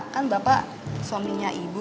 kan bapak suaminya ibu